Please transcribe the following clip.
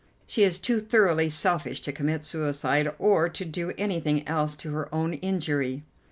She is too thoroughly selfish to commit suicide, or to do anything else to her own injury."